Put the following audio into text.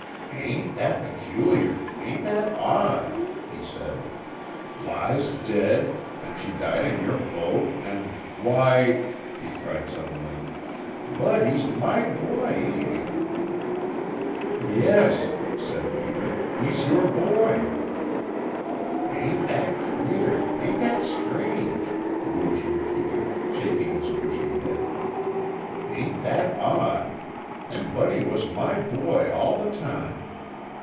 "Ain't that peculiar? Ain't that odd?" he said. "Lize dead, and she died in your boat, and why!" he cried suddenly, "Buddy 's my boy, ain't he?" "Yes," said Peter, "he's your boy." "Ain't that queer! Ain't that strange!" Booge repeated, shaking his bushy head. "Ain't that odd? And Buddy was my boy all the time!